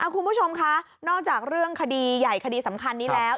คุณผู้ชมคะนอกจากเรื่องคดีใหญ่คดีสำคัญนี้แล้ว